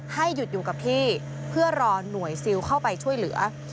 ให้หยุดอยู่กับที่เพื่อรอหน่วยซิลเข้าไปช่วยเหลือ